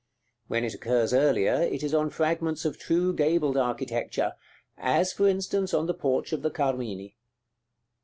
When it occurs earlier, it is on fragments of true gabled architecture, as, for instance, on the porch of the Carmini.